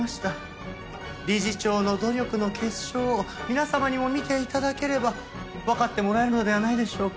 理事長の努力の結晶を皆様にも見て頂ければわかってもらえるのではないでしょうか。